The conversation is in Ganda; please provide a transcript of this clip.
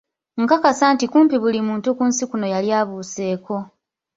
Nkakasa nti kumpi buli muntu ku nsi kuno yali abuuseeko.